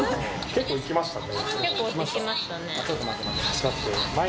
結構いきましたね。